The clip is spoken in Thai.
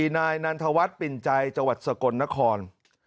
นายนันทวัฒน์ปิ่นใจจังหวัดสกลนคร